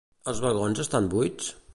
Els vagons estan buits?